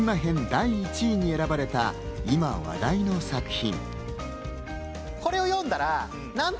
第１位に選ばれた今話題の作品。